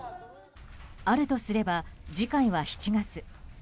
あるとすれば、次回は７月。